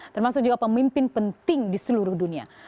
termasuk juga pemimpin penting di seluruh dunia